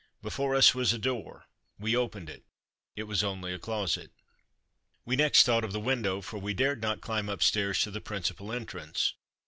Before us was a door we opened it. It was only a closet. We next thought of the window, for we dared not climb up stairs to the principal entrance.